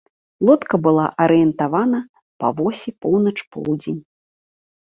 Лодка была арыентавана па восі поўнач-поўдзень.